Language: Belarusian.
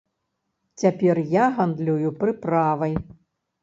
Цяпер я гандлюю прыправай.